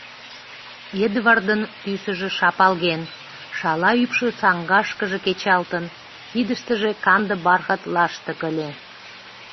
Эдвардын тӱсыжӧ шапалген, шала ӱпшӧ саҥгашкыже кечалтын, кидыштыже канде бархат лаштык ыле.